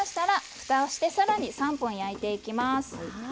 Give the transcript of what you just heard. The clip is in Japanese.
ふたをしてさらに３分焼いていきます。